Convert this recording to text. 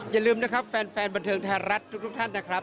อย่าลืมนะครับแฟนบันเทิงไทยรัฐทุกท่านนะครับ